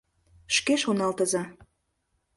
Шке шоналтыза.